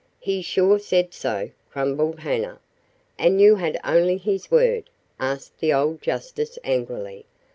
"He sure said so," grumbled Hanna. "And you had only his word?" asked the old justice angrily.